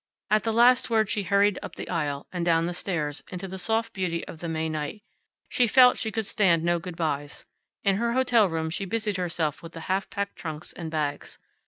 At the last word she hurried up the aisle, and down the stairs, into the soft beauty of the May night. She felt she could stand no good bys. In her hotel room she busied herself with the half packed trunks and bags.